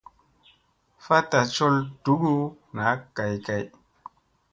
Fatta col dugu na kay kay.